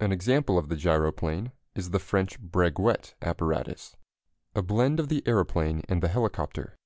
An example of the gyroplane is the French Breguet apparatus, a blend of the aeroplane and the helicopter.